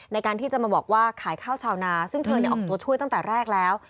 ในการที่จะมาบอกว่าขายข้าวชาวนาซึ่งเธอออกตัวช่วยตั้งแต่แรกแล้ว